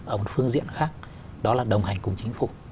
ở một phương diện khác đó là đồng hành cùng chính phủ